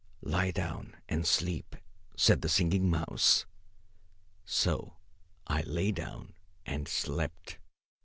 "Lie down and sleep," said the Singing Mouse. So I lay down and slept.